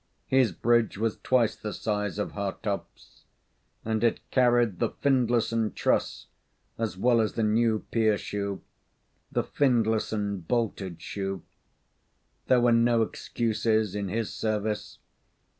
His bridge was twice the size of Hartopp's, and it carried the Findlayson truss as well as the new pier shoe the Findlayson bolted shoe. There were no excuses in his service.